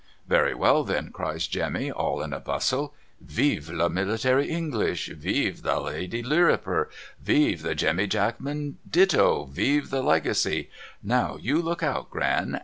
' Very well then,' cries Jemmy all in a bustle. ' Vive the Military English ! Vive the Lady Lirriper ! Vive the Jemmy Jackman Ditto ! Vive the Legacy ! Now, you look out. Gran.